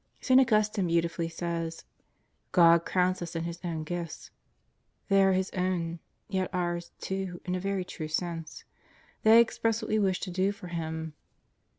St. Augustine beautifully says: "God crowns us in His own gifts." They are His own, yet ours, too, in a very true sense. They express what we wish to do for Him.